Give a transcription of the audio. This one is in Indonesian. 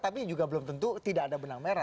tapi juga belum tentu tidak ada benang merah